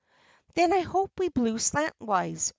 "Then I hope we blew slantwise."